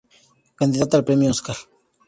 Candidata al Premio Oscar.